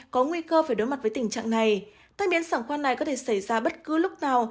có nguy cơ phải đối mặt với tình trạng này tai biến sản khoan này có thể xảy ra bất cứ lúc nào